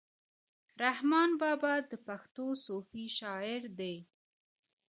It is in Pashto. رحمان بابا د پښتو صوفي شاعر دی.